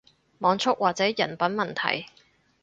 網速或者人品問題